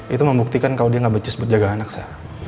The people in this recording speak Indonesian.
itu membuktikan kalau dia gak becis buat jaga anak sa